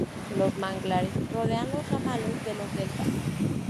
Los manglares rodean los ramales de los deltas.